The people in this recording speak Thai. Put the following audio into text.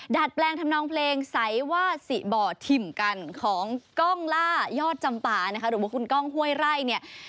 ดัดแปลงทำนองเพลงใสว่าสิบ่อถิ่มกันของกล้องล่ายอดจำปานะคะหรือว่าคุณก้องห้วยไร่เนี่ย